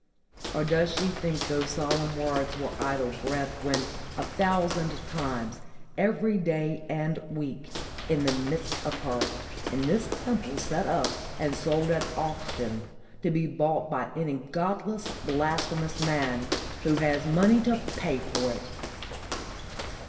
Or does she think those solemn words were idle breath, when, a thousand times, every day and week, in the midst of her, is this temple set up and sold at auction, to be bought by any godless, blasphemous man, who has money to pay for it!